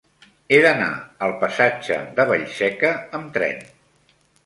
He d'anar al passatge de Vallseca amb tren.